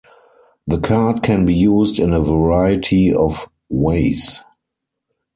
The card can be used in a variety of ways.